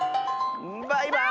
バイバーイ！